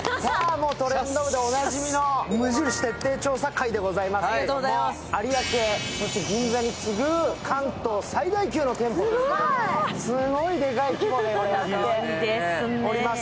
もう「トレンド部」でおなじみの無印徹底調査会ですけれども有明、そして銀座に次ぐ関東最大級の店舗でございます。